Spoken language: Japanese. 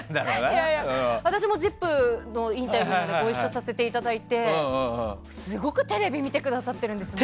私も「ＺＩＰ！」のインタビューでご一緒させていただいてすごくテレビ見てくださっているんですね。